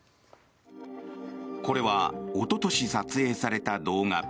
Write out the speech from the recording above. これはおととし撮影された動画。